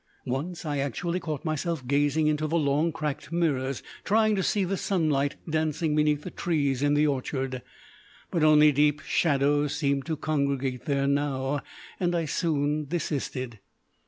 Once I actually caught myself gazing into the long, cracked mirrors, trying to see the sunlight dancing beneath the trees in the orchard. But only deep shadows seemed to congregate there now, and I soon desisted.